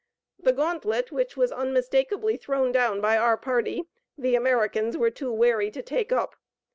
The gauntlet, which was unmistakably thrown down by our party, the Americans were too wary to take up.